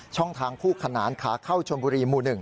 ช่องทางคู่ขนานขาเข้าชนบุรีหมู่๑